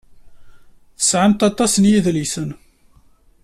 Tesɛamt aṭas n yidlisen.